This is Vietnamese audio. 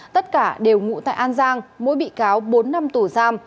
tất cả đều ngụ tại an giang mỗi bị cáo bốn năm tù giam